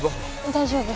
大丈夫。